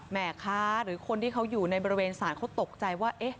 แม่ค้าหรือคนที่เขาอยู่ในบริเวณศาลเขาตกใจว่า